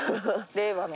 令和の。